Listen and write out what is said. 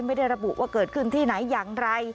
ไม่ได้ระบุว่าเกิดขึ้นที่ไหนอย่างไร